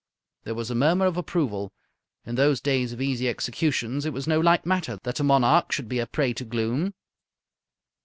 There was a murmur of approval. In those days of easy executions it was no light matter that a monarch should be a prey to gloom.